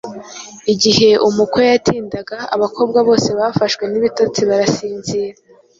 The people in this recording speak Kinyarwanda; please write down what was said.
Igihe umukwe yatindaga, abakobwa bose bafashwe n’ibitotsi barasinzira.